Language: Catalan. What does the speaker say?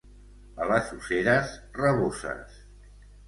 A les Useres, raboses.